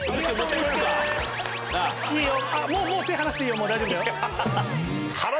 いいよもう手離していいよ大丈夫だよ。